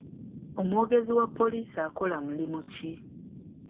Omwogezi wa poliisi akola mulimu ki?